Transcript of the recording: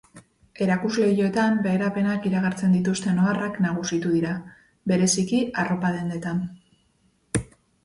Erakusleihoetan beherapenak iragartzen dituzten oharrak nagusitu dira, bereziki, arropa dendetan.